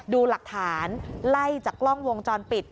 ดูหลักฐานไล่จากกล้องวงจรปิด